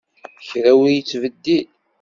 Kra ur yettbeddil.